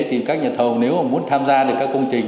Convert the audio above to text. thì các nhà thầu nếu mà muốn tham gia được các công trình